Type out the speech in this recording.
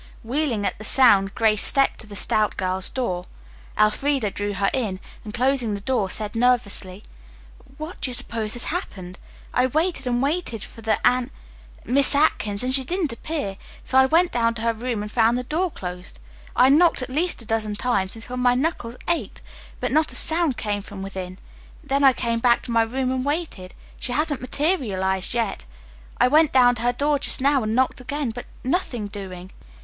Wheeling at the sound, Grace stepped to the stout girl's door. Elfreda drew her in and, closing the door, said nervously: "What do you suppose has happened? I waited and waited for the An Miss Atkins and she didn't appear, so I went down to her room and found the door closed. I knocked at least a dozen times, until my knuckles ached, but not a sound came from within. Then I came back to my room and waited. She hasn't materialized yet. I went down to her door just now and knocked again, but, nothing doing."